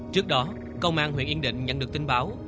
trước đó công an huyện yên định nhận được tin báo